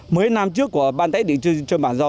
mấy năm trước của ban tách định cư trân bản do